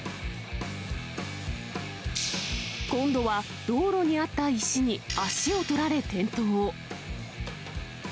今度は道路にあった石に足をとられ、転倒。